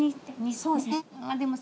そうです。